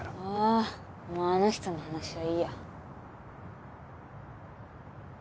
ああもうあの人の話はいいや。